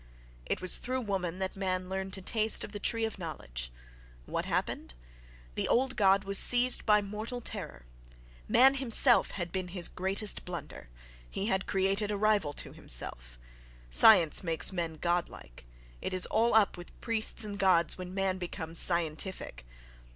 It was through woman that man learned to taste of the tree of knowledge.—What happened? The old God was seized by mortal terror. Man himself had been his greatest blunder; he had created a rival to himself; science makes men godlike—it is all up with priests and gods when man becomes scientific!